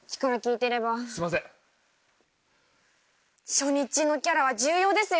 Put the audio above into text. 初日のキャラは重要ですよ。